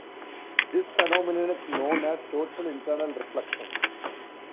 This phenomenon is known as total internal reflection.